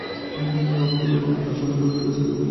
অতঃপর দুজনকে হাত ধরাধরি করে টিএসসি থেকে বের হতে দেখা যায়।